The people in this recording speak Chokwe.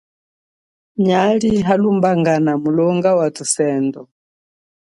Nyali halumbangana mulonga wathusendo.